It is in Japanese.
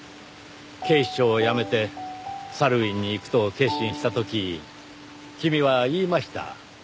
警視庁を辞めてサルウィンに行くと決心した時君は言いました。